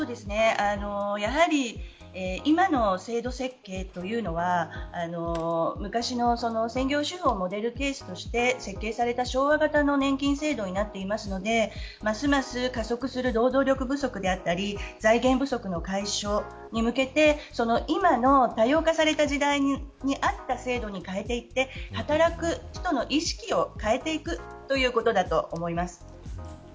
今の制度設計というのは昔の専業主婦をモデルケースとして設計された昭和型の年金制度になっているのでますます加速する労働力不足だったり財源不足の解消に向けて今の多様化された時代に合った制度に変えていって働く人の意識を変えていくということだと思います。